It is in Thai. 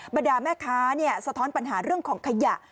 บรรดาแม่ค้าสะท้อนปัญหาเรื่องของขยะ